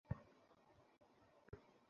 পেছন থেকে ব্লক কর।